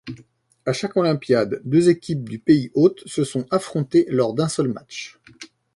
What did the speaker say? À chaque olympiade, deux équipes du pays-hôte se sont affrontées lors d'un seul match.